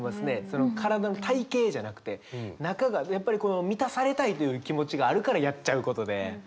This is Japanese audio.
その体の体形じゃなくて中がやっぱりこの満たされたいという気持ちがあるからやっちゃうことで。